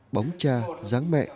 bóng cha giáng mẹ